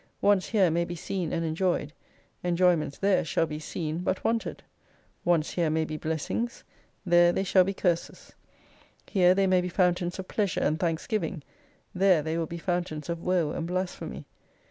Wants here may be seen and enjoyed, en joyments there shall be seen, but wanted. "Wants here may be blessings ; there they shall be curses. Here they may be fountains of pleasure and thanksgiving, there they will be fountains of woe and blasphemy.